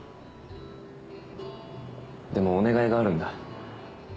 でもお願いがあるんだ。